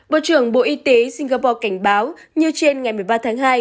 bộ trưởng bộ y tế singapore cảnh báo như trên ngày một mươi ba tháng hai